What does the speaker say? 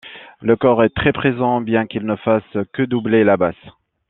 Le cor est très présent, bien qu'il ne fasse que doubler la basse.